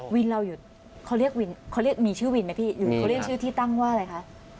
วินเราอยู่เขาเรียกมีชื่อวินไหมพี่เขาเรียกชื่อที่ตั้งว่าอะไรคะ